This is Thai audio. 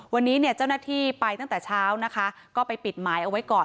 วันนี้เนี่ยเจ้าหน้าที่ไปตั้งแต่เช้านะคะก็ไปปิดหมายเอาไว้ก่อน